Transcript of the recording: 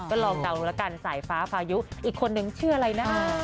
ก็ลองเกาละกันสายฟ้าพายุอีกคนนึงชื่ออะไรนะ